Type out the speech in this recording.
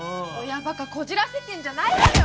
親バカこじらせてんじゃないわよ！